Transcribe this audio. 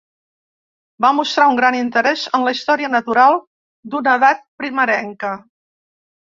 Va mostrar un gran interès en la història natural d'una edat primerenca.